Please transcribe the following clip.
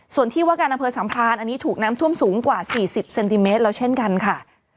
ส่วนที่ว่าการอำเภอสัมพรานอันนี้ถูกน้ำท่วมสูงกว่า๔๐เซนติเมตรแล้วเช่นกันค่ะ